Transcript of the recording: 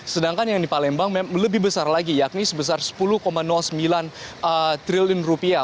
sedangkan yang di palembang lebih besar lagi yakni sebesar sepuluh sembilan triliun rupiah